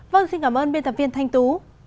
vâng xin cảm ơn biên tập viên thanh tú